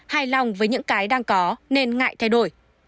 hài lòng với những cái đang có nên ngại thay đổi